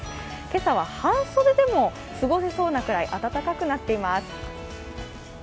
今朝は半袖でも過ごせそうなくらい、暖かくなっています。